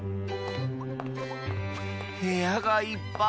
へやがいっぱい！